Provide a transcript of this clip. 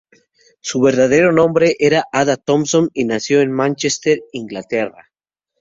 Su verdadero nombre era Ada Thompson, y nació en Mánchester, Inglaterra.